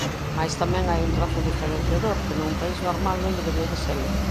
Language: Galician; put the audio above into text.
Mais tamén hai un trazo diferenciador que nun país normal non debería de selo.